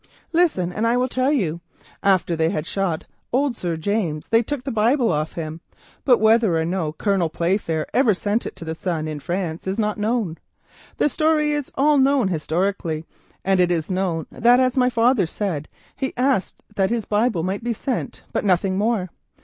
"Listen, and I will tell you. After they had shot old Sir James they took the Bible off him, but whether or no Colonel Playfair ever sent it to the son in France, is not clear. "The story is all known historically, and it is certain that, as my father said, he asked that his Bible might be sent, but nothing more.